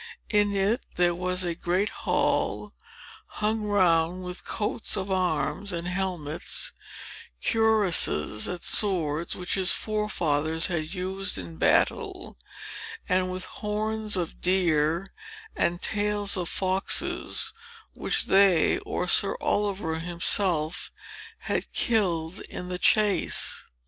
In it there was a great hall, hung round with coats of arms, and helmets, cuirasses and swords which his forefathers had used in battle, and with horns of deer and tails of foxes, which they or Sir Oliver himself had killed in the chase.